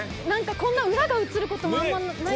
こんな裏が映ることもあんまりない。